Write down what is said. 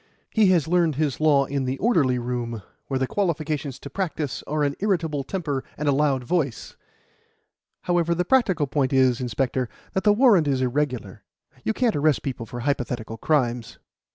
He has learned his law in the orderly room, where the qualifications to practise are an irritable temper and a loud voice. However, the practical point is, inspector, that the warrant is irregular. You can't arrest people for hypothetical crimes."